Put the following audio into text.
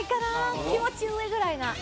気持ち上ぐらいな。